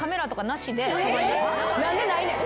何でないねん。